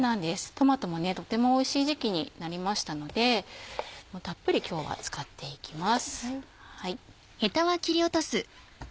トマトもとてもおいしい時期になりましたのでたっぷり今日は使っていきます。